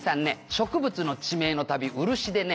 植物の地名の旅“漆”でね